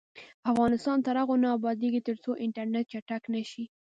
افغانستان تر هغو نه ابادیږي، ترڅو انټرنیټ چټک نشي.